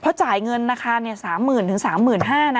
เพราะจ่ายเงินอาคารเนี้ยสามหมื่นถึงสามหมื่นห้านะ